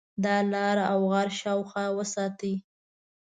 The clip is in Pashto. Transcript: د ا لاره او غار شاوخوا پاک وساتئ.